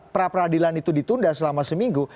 prapradilan itu ditunda selama seminggu